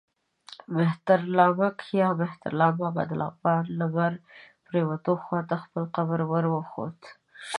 مهترلمک یا مهترلام بابا د لغمان لمر پرېواته خوا ته خپل قبر ور وښود.